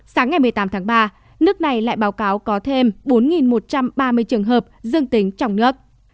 sáng ngày một mươi tám tháng ba nước này lại báo cáo có thêm bốn một trăm ba mươi trường hợp dương tính trong nước